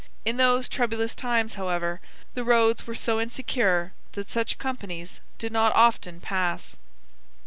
In those troublous times, however, the roads were so insecure that such companies did not often pass.